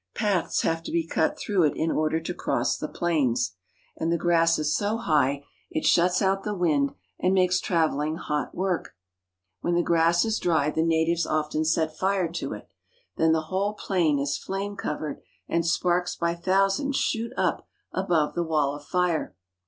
Paths have to be cut through it in order to cross the plains; and the grass is so high ANGOLA, OR PORTUGUESE WEST AFRICA 327 it shuts out the wind and makes traveling hot work. When the grass is dry the natives often set fire to it. Then the whole plain is flame covered, and sparks by thousands shoot up above the wall of fire.